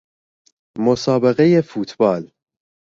مسابقه فوتبال